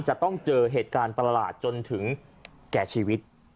จะต้องเจอเหตุการณ์ประหลาดจนถึงแก่ชีวิต